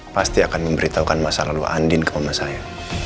pasti akan memberitahukan masalah lu andien ke mama saya